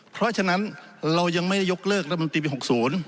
เพราะฉะนั้นเรายังไม่ได้ยกเลิกรัฐมนตรีปี๖๐